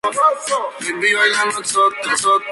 La fachada del edificio es simple, construida en piedra franca.